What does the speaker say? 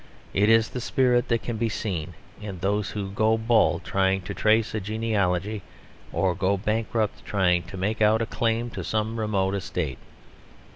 It is the spirit that can be seen in those who go bald trying to trace a genealogy; or go bankrupt trying to make out a claim to some remote estate.